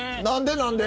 何で？